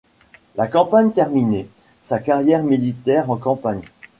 La campagne terminé sa carrière militaire en campagne.